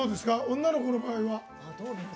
女の子の場合は。